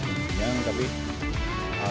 karena udah tinggal langsung dimakan